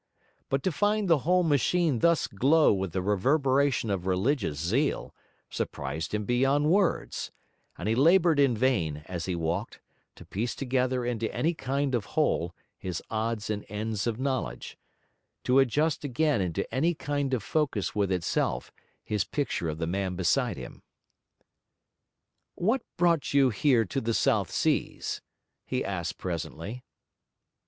But to find the whole machine thus glow with the reverberation of religious zeal, surprised him beyond words; and he laboured in vain, as he walked, to piece together into any kind of whole his odds and ends of knowledge to adjust again into any kind of focus with itself, his picture of the man beside him. 'What brought you here to the South Seas?' he asked presently.